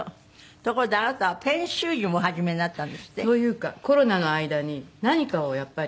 ところであなたペン習字もお始めになったんですって？というかコロナの間に何かをやっぱり。